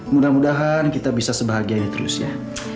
mudah mudahan kita bisa sebahagia ini terus ya